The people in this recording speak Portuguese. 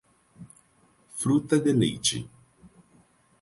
Fruta de Leite